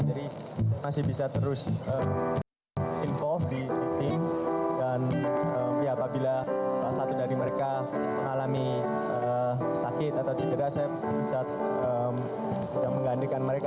jadi masih bisa terus berkembang di tim dan apabila salah satu dari mereka mengalami sakit atau cenderasa bisa menggandikan mereka